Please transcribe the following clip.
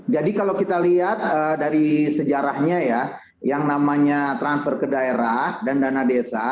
jadi kalau kita lihat dari sejarahnya ya yang namanya transfer ke daerah dan dana desa